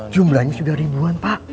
jumlahnya sudah ribuan pak